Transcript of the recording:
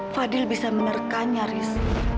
fadil bisa menerkannya haris